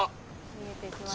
見えてきました。